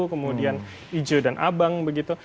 kemudian ijo dan abang begitu